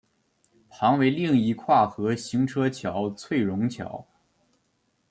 旁为另一跨河行车桥翠榕桥。